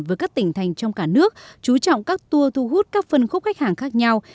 với các tỉnh thành trong cả nước chú trọng các tour thu hút các phân khúc khách hàng khác nhau